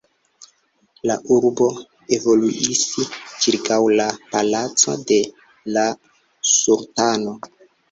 La urbo evoluis ĉirkaŭ la palaco de la sultano.